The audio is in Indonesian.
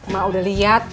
mak udah liat